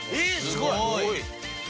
すごい！